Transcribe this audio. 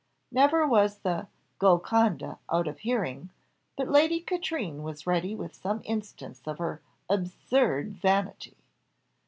Never was the "Golconda" out of hearing, but Lady Katrine was ready with some instance of her "absurd vanity."